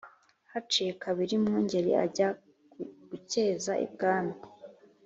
Haciye kabiri Mwungeli ajya gukeza ibwami